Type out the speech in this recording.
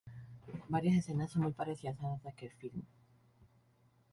Varias escenas son muy parecidas a las de aquel film.